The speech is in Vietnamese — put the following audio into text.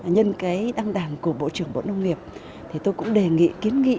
nhân cái đăng đảng của bộ trưởng bộ nông nghiệp thì tôi cũng đề nghị kiến nghị